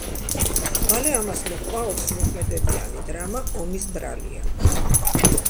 მალე ამას მოჰყვა ოთხმოქმედებიანი დრამა „ომის ბრალია“.